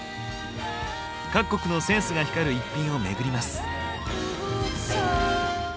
各国のセンスが光る逸品をめぐります。